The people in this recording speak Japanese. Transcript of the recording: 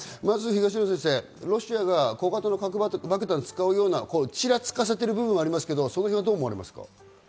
東野先生、ロシアは小型の核爆弾を使うようなことをちらつかせてる部分はありますけど、どう思われますか？